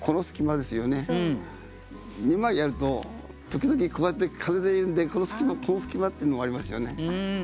２枚あると時々こうやって風で揺れてこの隙間っていうのもありますよね。